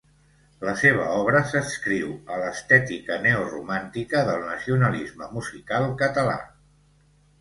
La seva obra s'adscriu a l'estètica neoromàntica del nacionalisme musical català.